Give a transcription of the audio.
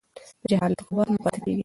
د جهالت غبار نه پاتې کېږي.